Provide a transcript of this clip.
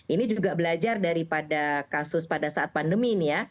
ini juga belajar daripada kasus pada saat pandemi ini ya